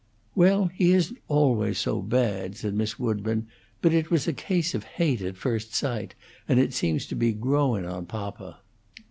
"Well, he isn't always so bad," said Miss Woodburn. "But it was a case of hate at first sight, and it seems to be growin' on papa."